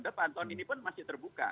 depan tahun ini pun masih terbuka